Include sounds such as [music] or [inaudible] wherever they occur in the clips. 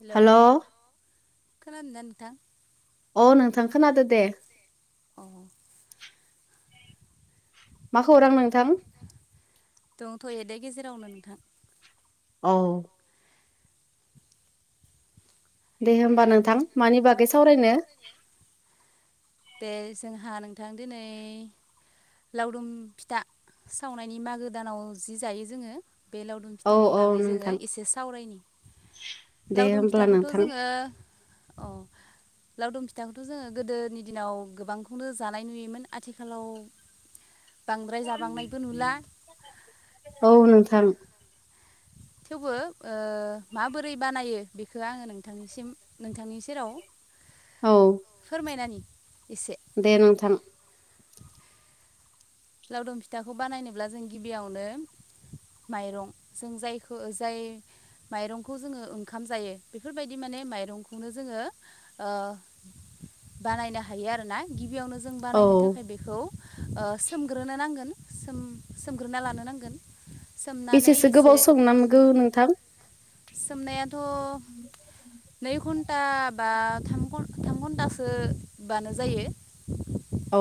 Hello hello खोनादोंना नोंथां? अ नोंथां खोनादो दे। अ मा खौरां नां दंथयोदे गेजेरावनो नोंथां। औ दे होमबा नोंथां मानि बागै सावरायनो। दे जोंहा नोंथां दिनै लावदुम फिथा सावनायनि मागो दानाव जि जायो जोङो। बे लावदुम औ फिथानि औ बागै जोङो नोंथां एसे सावरायनि। दे लावदुम होमब्ला फिथाखौथ नोंथां जोङो [unintelligible] [inaudible] लावदुम फिथाखौथ जोङो गोदोनि दिनाव गोबांखौनो जानाय नुयोमोन आथिखालाव बांद्राय जाबांनायबो नुला औ नोंथां। थेवबो ओ माबोरै बानायो बेखौ आङो नोंथांनिसिम नोंथांनि सेराव औ फोरमायनानि- एसे दे नोंथां। लावदुम फिथाखौ बानायनोब्ला जों गिबियावनो माइरं जों जायखौ जाय माइरंखौ जोङो ओंखाम जायो बेफोरबायदि माने माइरंखौनो जोङो ओ बानायनो हायो आलोचना। बिगियावनो जों औ बानायनो थाखाय बेखौ ओ सो सोमग्रोनो नांगोन सोम सोमग्रोना लानो नांगोन। सोमनानै बेसेसो एसे गोबाव सम नामगौ नोंथां? सोमनायाथ' नै घन्टा बाम थाम घन्टासोबानो जायो औ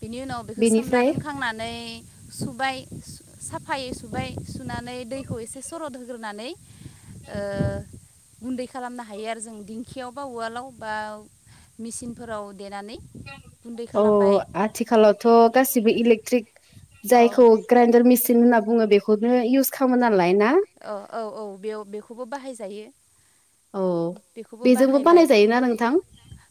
बिनि उनाव बेखौ सोमना बेनिफ्राय दोनखांनानै सुबाय साफायै सुबाय सुनानै दैखौ एसे सरद होग्रोनानै ओ गुन्दै खालामनो हायो आरो जों दिंखियाव बा उवालाव बा मेचिनफोराव देनानै गुन्दै औ खालामबाय आथिखालावथ' गासिबो इलेकट्रिक अ जायखौ ग्राइडार मेसिन होन बुङो बेखौनो इउस खालामो नालाय ना? औ औ औ बेयाव बेखौबो बाहायजायो। अ बेजोंबो बानायजायोना नोंथां?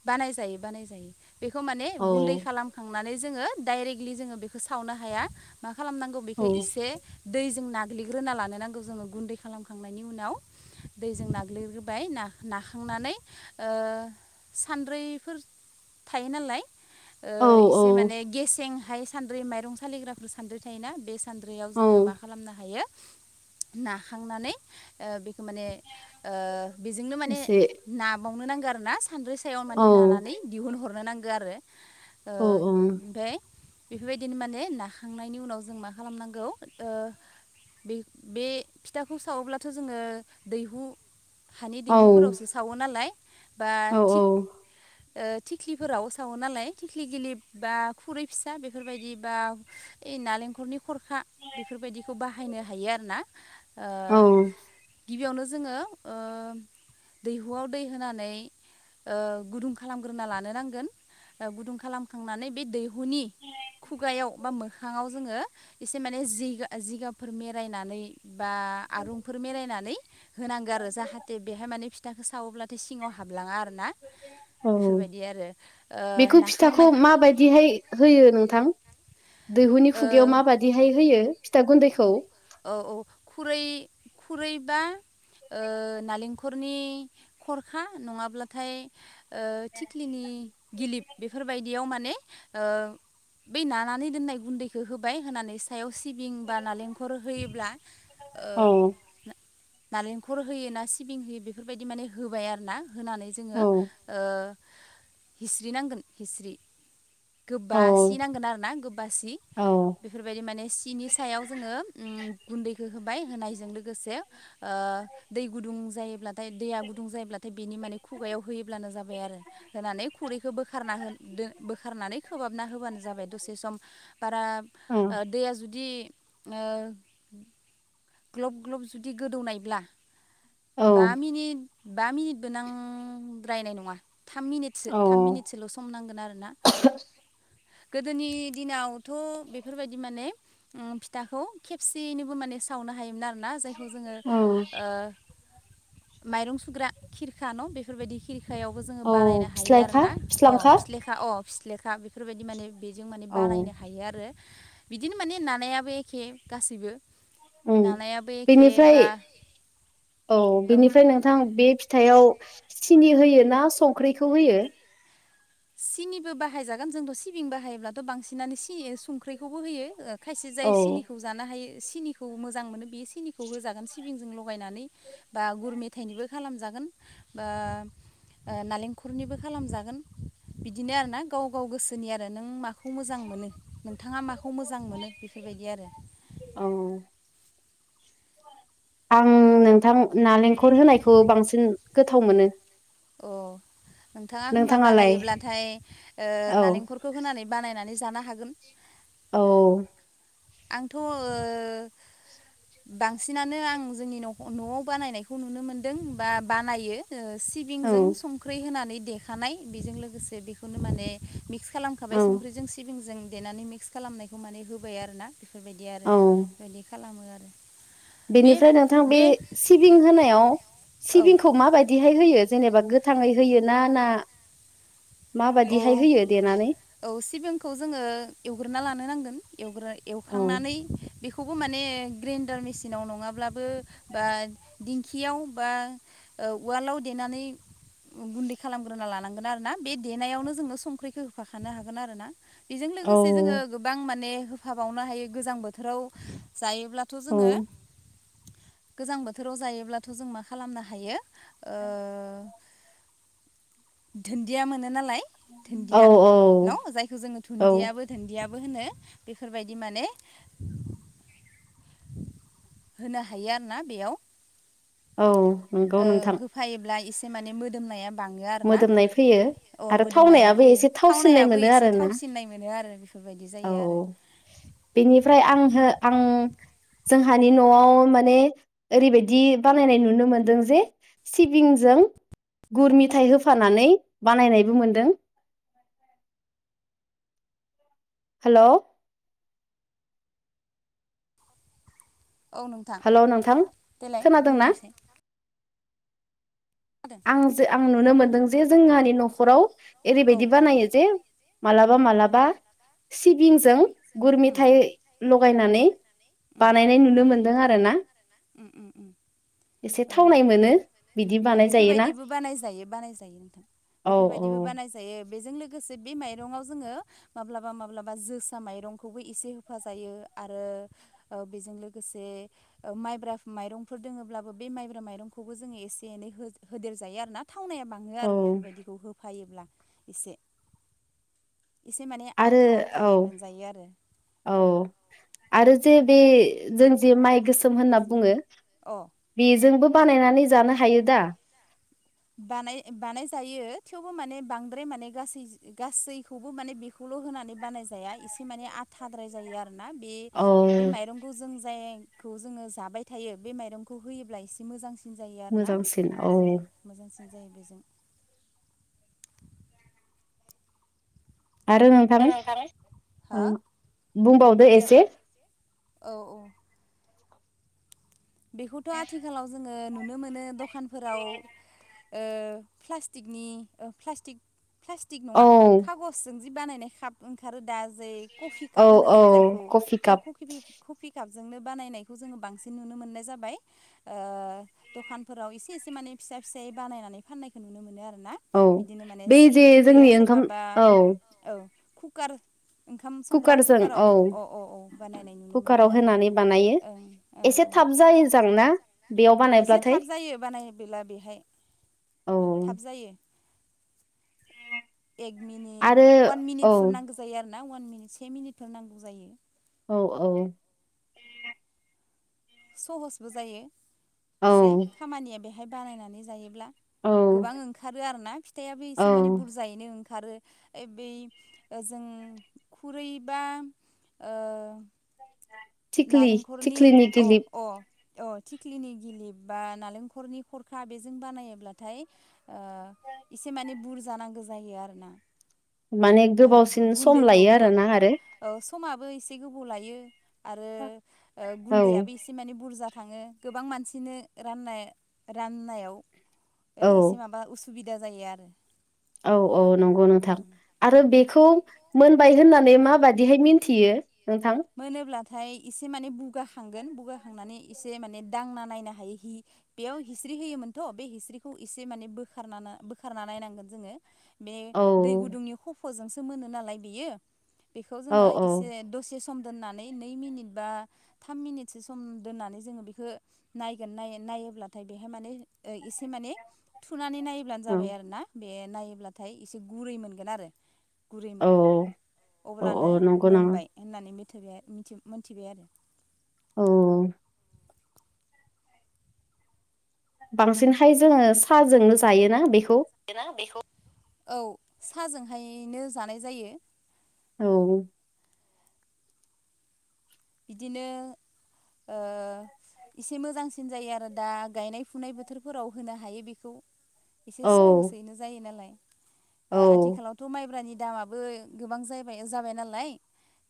बानाय जायो बानाय जायो बेखौ माने औ गुन्दै खालामखांनानै जोङो दाइरेगलि जोङो बेखौ सावनो हाया मा खालाम नांगौ औ बिखो इसे दैजों नाग्लिग्रोना लानो नांगौ जोंओ गुन्दै खालामखांनायनि उनाव दैजों नाग्लिगोरोबाइबाय नाखांनानै सान्द्रैफोर थायो नालाय औ औ इसे माने गेसें हाय सान्द्रि माइरं सालिग्राफोर सान्द्रि थायोना बे सान्द्रियाव औ जोङो मा खालामनो हायो नाखांनानै माने बेजोंनो माने एसे नााबावनो नांगौ आरो ना सानद्रै सायाव माने औ नानानै दिहुनहरनो नांगौ आरो औ ओमफ्राय बेफोरबायदिनो माने नाखांनायनि उनाव जों मा खालामनांगौ बे बे फिथाखौ सावोब्लाथ' जोङो दैहु हानि औ दैहुफोरावसो सावो नालाय बा औ थिग थिख्लिफोराव सावो नालाय थिख्लि गिलिब बा खुरै फिसा बेफोरबायदि बा बे नालेंखरनि खरखा बेफोरबायदिखौ बाहायनो हायो आरोना ओ औ गिबियावनो जोङो ओ दैहुआव दै होनानै ओ गुदुं खालामग्रोना लानो नांगोन ओ गुदुं खालामखांनानै बे दै हुनि खुगायाव बा मोखाङाव जोङो एसे माने जिगाबफोर मेर [unintelligible] फाथाखौ सावोब्ला सिङाव हाबलाङा आरो ना औ बेफोरबायदि आरो ओ बेखौ फिथाखौ नाखांनाय माबायदिहाय होयो नोंथां दैहुनि खुगायाव ओ माबा बादिहाय होयो फिथा गुन्दैखौ? औ औ खुरै खुरैबा ओ नालेंखरनि खरखा नङाब्लाथाय ओ थिख्लिनि गिलिप बेफोरबायदियाव माने ओ बे नानानै दोननाय गुन्दैखौ होबाय होनानै सायाव सिबिं बा नालेंख होयोब्ला औ ओ नारेंखल होयो ना सिबिं होयो बेफोरबायदि माने होबाय आरो ना होनानै जोङो औ हिस्रि नांगोन हिस्रि गोबा औ सि नांगोन आरोना गोबा सि औ बेफोरबायदि माने सिनि सायाव जोङो गुन्दैखौ होबाय होनायजों लोगोसे ओ दै गुदुं जायोब्ला ओमफाय दैया गुदुं जायोब्लाथाय बेनि माने खुगायाव होयोब्लानो जाबाय आरो होनानै खुरैखौ बोखारना होन बोखारनानै खोबहाबना होबानो जाबाय दसे सम बारा औ दैया जुदि ग्लब ग्लब जुदि गोदौनायब्ला औ बा मिनिट बा मिनिटबो नांद्रायनाय नङा थाम मिनिटसो औ थाम मिनिटसोल' सम नांगोन आर ना गोदोनि दिनावथ' बेफोरबायदि माने फिथाखौ खेबसेयैनोबो माने सावनो हायोमोन आरोना जायखौ जोङो औ माइरं सुग्रा खिरखा न' बेफोरबायदि खिरखा फिथायावबो जोङो औ बानायनो हायो आरो फिस्लायखा ना अ फिस्लांखा फिस्लेखा अ फिस्लेखा बेफोरबायदि माने बेजों माने औ बानायनो हायो आरो बिदिनो माने नानायाबो एखे गासैबो उम नानाइ आबो एखे बेनिफ्राय बा औ बेनिफ्राय नोंथां बे फिथाइआव सिनि होयो ना संख्रिखौ होयो? सिनिबो बाहायजागोन जोंबो सिबिं बाहायोब्लाथ बांसिनानो सि संख्रिखौबो होयो ओ खायसे जाय औ सिनिखौ जानो हायो सिनिखौ मोजां मोनो बेयो सिनिखौ होजागोन सि सिबिंजों लगायनानै बा गुर मेथाइनिबो खालामजागोन बा ओ नालेंखलनिबो खालामजागोन बिदिनो आर ना गाव गाव गोसोनि आरो नों माखौ खौ मोजां मोनो नोंथाङा माखौ मोजां मोनो बेफोरबायदि आरो औ आं नोंथां नालेंखर होनायखौ बांसिन गोथाव मोनो अ नोंथाङा होमबा नोंथाङालाय बानायोब्लाथाय ओ औ नालेंखरखौ होनानै बानायनानै जानो हागोन औ आंथ ओ बांसिनानो आं जोंनि न नआव बानायनायखौ नुनो मोनदों बा बानायो ओ औ सिबिंजों संख्रि होनानै देखानाय बेजों लोगोसे बेखौनो माने मिक्स औ खालामखाबाय संख्रिजों सिबिंजों देनानै मिक्स खालामनायखौ माने होबाय आरो ना बेफोरबायदि आरो औ बेदि खालामो आरो बे बेनिफ्राय नोंथां बे सिबिं होनायाव औ सिबिंखौ माबायदिहाय होयो जेनेबा गोथाङै होयो ना ना माबादिहाय औ होयो देनानै औ सिबिंखौ जोङो एवग्रोना लानो नांगोन एव औ एवखांनानै बेखौ खौबो माने ग्रेन्डार मेसिनाव नङाब्लाबो बा दिंखियाव बा औ वालाव देनानै गुन्दै खालामग्रोना लानांगोन आरो ना बे देनायावनो जोङो संख्रिखौ होफाखानो हागोन आरो ना बेजों औ लोगोसे जोङो गोबां माने होफाबावनो हायो गोजां बोथोराव जायोब्लाथ औ जोङो गोजां बोथोराव जायोब्लाथ जों मा खालामनो हायो ओ दुन्दिया मोनो औ थोन्दिया न जायखौ जोङो औ दुन्दियाबो थोन्दियाबो बो होनो बेफोरबायदि माने होनो हायो आरोना बेयाव औ नंगौ ओ नोंथां होफायोब्ला एसे माने मोदोमनाया बाङो आर ना मोदोमनाय फैयो अ आरो मोदोमनाया थावनायाबो फैयो एसे थावसिननाय थावनायाबो मोनो एसे आरोना थावसिननाय मोनो आरो बेफोरबायदि औ जायो आरो बेनिफ्राय आंहो आं जोंहानि न आव माने ओरैबायदि बानायनाय नुनो मोनदों जे सिबिंजों गुर मिथाइ होफानानै बानायनायबो मोनदों [inaudible] हेल औ नोंथां हेलौ नोंथां देलाय खोनादोंना बुंलायसै आं ज आं नुनो मोनदों जे जोंहानि नखराव औ ओरैबायदि बानायो जे मालाबा मालाबा सिबिंजों गुर उम मेथाय लगायनानै उम बानायनाय नुनो मोनदों आरो ना उम उम उम एसे औ थावनाय मोनो बिदि अ बानाय जायोना बेफोरबायदिबो बानायजायो बानाय जायो नोंथां औ औ बेफोरबायदिबो बानाय जायो बेजों लोगोसे बे माइरंङाव जोङो माब्लाबा माब्लाबा जोसा माइरंखौबो एसे होफा जायो आरो ओ बेजों लोगोसे ओ माइब्रा माइरंफोर दोङब्लाबो बे माइब्रा माइरंखौबो जोङो एसे एनै होदेर जायो आरो ना थावनाया बाङो औ आरो बेफोरबायदिखौ होफायोब्ला एसे। एसे माने आरो आथा औ आथायै मोनजायो आरो। औ। आरो जे बे जों जे माइ गोसोम होनना बुङो अ बेजोंबो बानायनानै जानो हायो दा? बानाय बानाय जायो थेवबो माने बांद्राय माने गासै गासैखौबो माने बेखौ ल' होनानै बानाय जाया एसे माने आथाद्राय जायो आरो ना बे औ बे माइरंखौ जों जाय खौ जोङो जाबाय थायो बे माइरंखौ होयोब्ला एसे मोजांसिन मोजांसिन औ। बांसिन जायो बेजों आरो नोंथां हो ओ बुंबावदो एसे। औ-औ। बेखौथ' आथिखालाव जोङो नुनो मोनो। दखानफोराव ओ प्लासटिकनि ओ प्लासटिक -प्लासटिक नङा औ खागजजों जि बानायनाय काप ओंखारो। दा जै कफि औ काप होनो औ जों जायखौ, बे कफि बि कफि काप जोंनो बानायनायखौ जोङो बांसिन नुनो मोननाय जाबाय ओ दखानफोराव एसे-एसे माने फिसा-फिसायै बानायनानै फाननायखौ नुनो मोनो आरो। ना औ बिदिनो माने बै जे सिनि होयो जोंनि ओंखाम सोरबाबा औ औ कुकार ओंखाम संग्रा कुकारजों कुकाराव औ अ-अ औ बानायनाय नुनो मोनो कुकाराव आरो होनानै बानायो ओं औ। एसे थाब जायो जां ना बेयाव एसे बानायब्लाथाय थाब जायो बानाय बेला बेहाय, औ थाब जायो। एक मिनिट आरो अवान औ मिनिटफोर नांगौ जायो आरो ना। अवान मिनिट से मिनिटफोर नांगौ जायो। औ-औ। सहसबो जायो। औ एसे खामानिया बेहाय बानायनानै जायोब्ला। औ गोबां ओंखारो आरो ना फिथायाबो औ एसे माने बुरजायैनो ओं [unintelligible] ए बै जों खुरैबा ओ थिख्लि नालेंखरनि थिख्लिनि गिलिब अ-अ। अ थिख्लिनि गिलिप बा नालेंखरनि खरखा बेजों बानायोब्लाथाय ओ इसे माने बुरजानांगौ जायो आरोना। माने माइरंखौ गोबावसिन सम गुन्दैखौ लायो गो आरोना आरो। औ समाबो एसे गोबाव लायो आरो औ गुन्दैयाबो एसे माने बुरजा थाङो गोबां मानसिनो राननो -राननायाव औ एसे माबा उसु [unintelligible] जायो आरो। औ-औ नंगौ नोंथां। आरो बे [unintelligible] मोनबाय होननानै माबादिहाय मोनथियो? मोनो -ब्लाथाय एसे माने बुगाखांगोन। बुगाखांनानै एसे माने दांना नायनो हायो बेयाव हिस्रि होयोमोनथ' बे हिस्रिखौ एसे माने बोखार- बोखारना नायनांगोन जोङो। बे औ दै गुदुंनि खफ'जोंसो मोनो नालाय बेयो। बेखौ औ जोङो एसे दसे सम दोननानै नै मिनिट बा थाम मिनिटसो सम दोननानै जोङो बेखो नायगोन नाय नायोब्लाथाय बेहाय मान एसे माने [unintelligible] नायब्लानो औ जाबाय आरोना। बे नायोब्लाथाय एसे गुरै मोनगोन आरो। गुरै औ मोनगोन औ अब्लानो औ नंगौ नामा मोनबाय होननानै [unintelligible] मिथिबाय मिथि मोनथिबाय आरो। औ। बांसिनहाय जोङो साहाजोंनो जायोना बेखौ? ना बेखौ औ साहाजोंहायनो जानाय जायो। औ। बिदिनो ओ [inaudible] एसे मोजांसिन जायो आरो। दा गायनाय -फुनाय बोथोरफोराव होनो हायो बेखौ एसे औ सहसैनो जायो नालाय औ आथिखालावथ' माइब्रानि दामाबो गोबां ज- जाबाय नालाय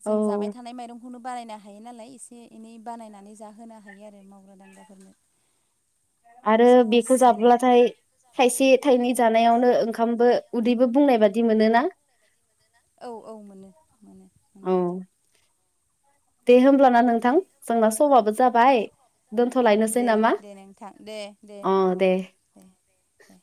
जों जाबाय औ थानाय माइरंखौनो बानायन [unintelligible] हायो नालाय एसे एनै बानायनानै जाहोनो हायो। आरो मावग्रा दांग्राफोरनो आरो सहस बेखौ जायो जाब्लाथाय थाइसे, थाइनै जानायावनो ओंखामबो उदैबो बुंनाय बादि मोनोना? औ औ मोनो मोनो मोनो औ नोंथां। दे होमब्लाना नोंथां जोंना समाबो जाबाय दोनथ'लायनोसै दे नामा दे नोंथां दे दे अ नोंथां दे दे दे।